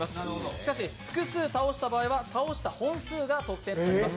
しかし、複数倒した場合は倒した本数が得点になります。